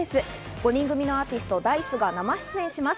５人組アーティスト・Ｄａ−ｉＣＥが生出演します。